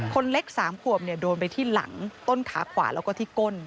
คนเล็ก๓ขวบโดนไปที่หลังต้นขาขวาแล้วก็ที่ก้น